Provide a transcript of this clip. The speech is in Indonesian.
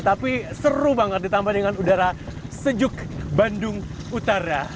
tapi seru banget ditambah dengan udara sejuk bandung utara